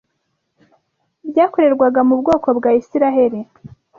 byakorerwaga mu bwoko bwa Isirayeli